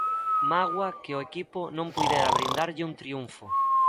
Mágoa que o equipo non puidera brindarlle un triunfo.